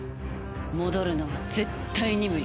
「戻るのは絶対に無理」